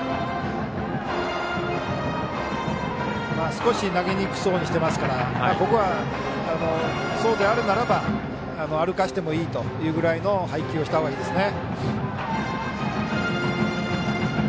少し投げにくそうにしていますからここは、そうであるならば歩かせてもいいというくらいの配球をしたほうがいいですね。